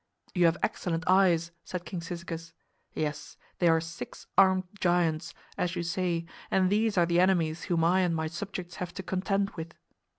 "You have excellent eyes," said King Cyzicus. "Yes, they are six armed giants, as you say, and these are the enemies whom I and my subjects have to contend with."